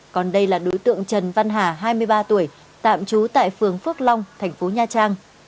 còn đây là đối tượng trần văn hà hai mươi ba tuổi tạm trú tại phường phước long thành phố nha trang